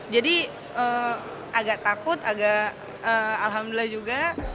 jadi agak takut agak alhamdulillah juga